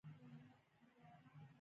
آیا چایخانې په هر ځای کې نشته؟